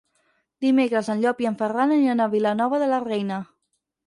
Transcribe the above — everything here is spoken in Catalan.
Dimecres en Llop i en Ferran aniran a Vilanova de la Reina.